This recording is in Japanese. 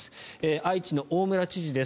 愛知の大村知事です。